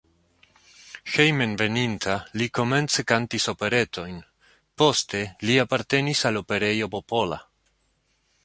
Hejmenveninta li komence kantis operetojn, poste li apartenis al Operejo Popola.